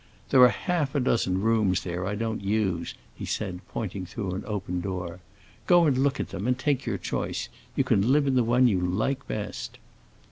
"There are half a dozen rooms there I don't use," he said, pointing through an open door. "Go and look at them and take your choice. You can live in the one you like best."